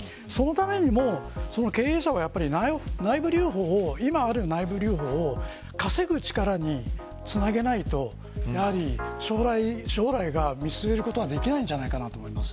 そのためにも経営者は内部留保を稼ぐ力につなげないと将来を見据えることはできないと思います。